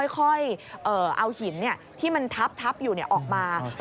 ค่อยเอาหินที่มันทับอยู่ออกมา